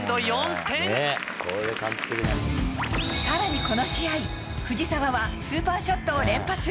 更に、この試合藤澤はスーパーショットを連発。